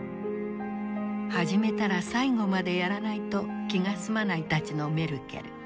始めたら最後までやらないと気が済まないたちのメルケル。